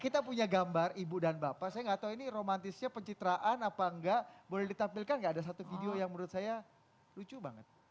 kita punya gambar ibu dan bapak saya nggak tahu ini romantisnya pencitraan apa enggak boleh ditampilkan nggak ada satu video yang menurut saya lucu banget